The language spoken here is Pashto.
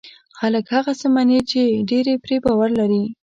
خلک هغه څه مني چې ډېری پرې باور لري.